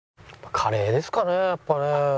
カレーですかねやっぱね。